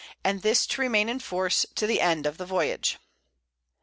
and this to remain in Force, to the End of the Voyage.